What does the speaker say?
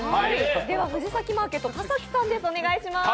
藤崎マーケット田崎さんです。